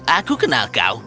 aku kenal kau